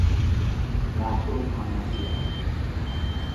Látó Anna fia.